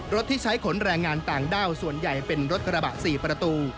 ที่ใช้ขนแรงงานต่างด้าวส่วนใหญ่เป็นรถกระบะ๔ประตู